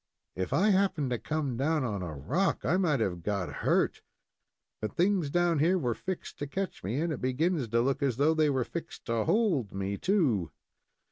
"If I happened to come down on a rock, I might have got hurt; but things down here were fixed to catch me, and it begins to look as though they were fixed to hold me, too."